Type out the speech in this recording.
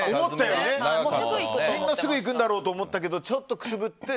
みんな、すぐいくんだろうと思ったけどちょっとくすぶって。